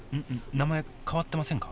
名前変わってませんか？